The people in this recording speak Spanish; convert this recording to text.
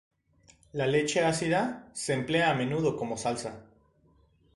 La leche ácida se emplea a menudo como salsa.